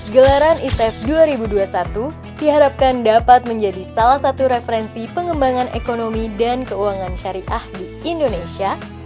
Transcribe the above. gelaran i saf dua ribu dua puluh satu diharapkan dapat menjadi salah satu referensi pengembangan ekonomi dan keuangan syariah di indonesia